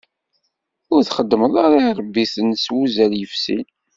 Ur txeddmeḍ ara iṛebbiten s wuzzal yefsin.